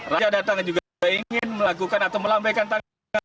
raja datang juga ingin melakukan atau melampaikan tanggal